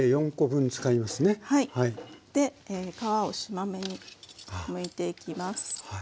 で皮をしま目にむいていきます。